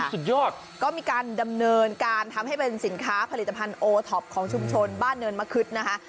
สุดยอดก็มีการดำเนินการทำให้เป็นสินค้าผลิตภัณฑ์โอท็อปของชุมชนบ้านเนินมะคึดนะคะ